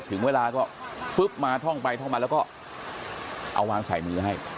ถึงเวลาก็ฟึ๊บมาท่องไปท่องมาแล้วก็เอาวางใส่มือให้